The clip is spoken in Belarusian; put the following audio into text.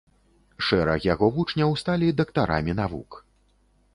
Шэраг яго вучняў сталі дактарамі навук.